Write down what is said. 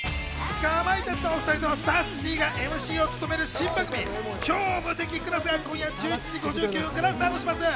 かまいたちのお２人とさっしーがＭＣを務める新番組『超無敵クラス』が今夜１１時５９分からスタートします。